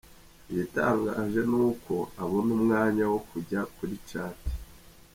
Igitangaje ni uko abona umwanya wo kujya Kuri chat”.